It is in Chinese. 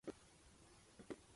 清远侯。